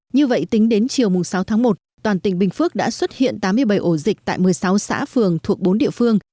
như vậy tính đến chiều sáu tháng một toàn tỉnh bình phước đã xuất hiện tám mươi bảy ổ dịch tại một mươi sáu xã phường thuộc bốn địa phương